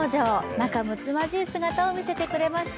仲むつまじい姿を見せていただきました。